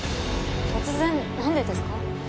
突然なんでですか？